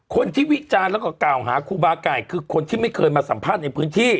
วิจารณ์แล้วก็กล่าวหาครูบาไก่คือคนที่ไม่เคยมาสัมภาษณ์ในพื้นที่